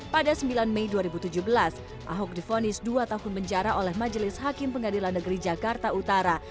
pada sembilan mei dua ribu tujuh belas ahok difonis dua tahun penjara oleh majelis hakim pengadilan negeri jakarta utara